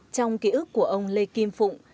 trong ký ức của ông lê kim phụng